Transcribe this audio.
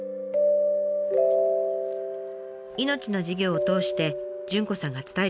命の授業を通して潤子さんが伝えたいこと。